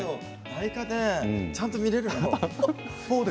内科でちゃんと診られるの？